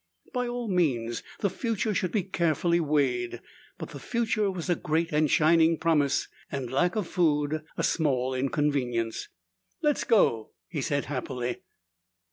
By all means, the future should be carefully weighed, but the future was a great and shining promise and lack of food a small inconvenience. "Let's go!" he said happily.